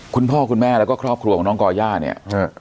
คุณพ่อคุณแม่แล้วก็ครอบครัวของน้องก่อย่าเนี่ย